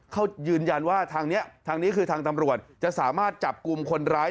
เขายืนยันว่าทางนี้ทางนี้คือทางตำรวจจะสามารถจับกลุ่มคนร้าย